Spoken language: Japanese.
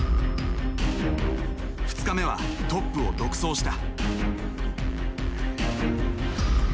２日目はトップを独走した。